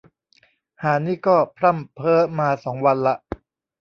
ห่านี่ก็พร่ำเพ้อมาสองวันละ